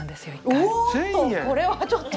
おっとこれはちょっと。